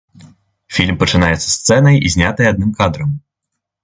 Фільм пачынаецца сцэнай, знятай адным кадрам.